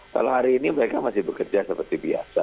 kalau hari ini mereka masih bekerja seperti biasa